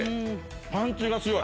パンチが強い。